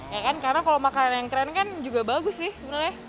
ya kan karena kalau makanan yang keren kan juga bagus sih sebenarnya